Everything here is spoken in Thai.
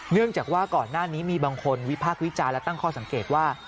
เนื่องจากว่าก่อนหน้านี้มีบางคนวิพากษ์วิจารณ์และตั้งข้อสังเกตว่า